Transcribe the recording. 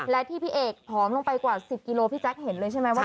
และที่พี่เอกผอมลงไปกว่า๑๐กิโลพี่แจ๊คเห็นเลยใช่ไหมว่า